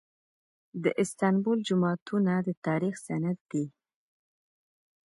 د استانبول جوماتونه د تاریخ سند دي.